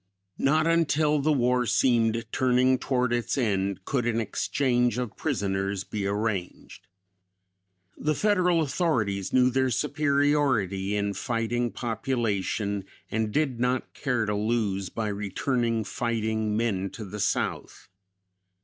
"Not until the war seemed turning toward its end could an exchange of prisoners be arranged. The Federal authorities knew their superiority in fighting population and did not care to lose by returning fighting men to the South.